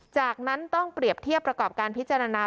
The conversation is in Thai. จากนั้นต้องเปรียบเทียบประกอบการพิจารณา